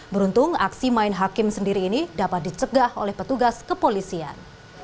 beruntung aksi main hakim sendiri ini dapat dicegah oleh petugas kepolisian